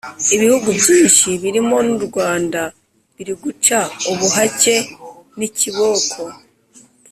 Ibihugu bynshi birimo n’u Rwanda biri guca ubuhake n’ikiboko